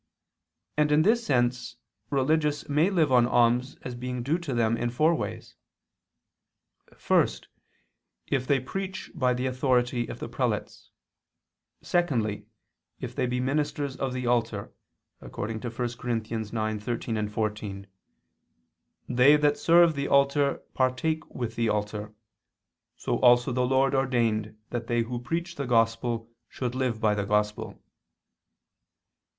And in this sense religious may live on alms as being due to them in four ways. First, if they preach by the authority of the prelates. Secondly, if they be ministers of the altar, according to 1 Cor. 9:13, 14, "They that serve the altar partake with the altar. So also the lord ordained that they who preach the Gospel should live by the Gospel."